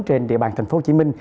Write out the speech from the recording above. trên địa bàn tp hcm